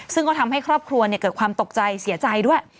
ซึ่งก็ทำให้ครอบครัวเกิดความตกใจเสียใจด้วย